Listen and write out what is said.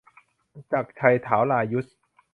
จักรชัย ถาวรายุศม์